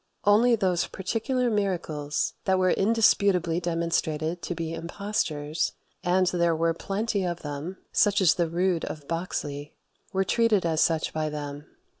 Only those particular miracles that were indisputably demonstrated to be impostures and there were plenty of them, such as the Rood of Boxley were treated as such by them.